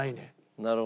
なるほど。